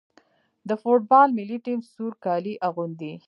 د فوټبال ملي ټیم سور کالي اغوندي.